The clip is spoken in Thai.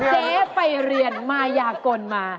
เจ๊ไปเรียนมายากลมา